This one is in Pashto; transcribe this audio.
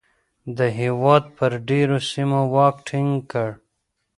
د هېواد پر ډېری سیمو واک ټینګ کړ.